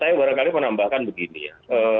saya barangkali menambahkan begini ya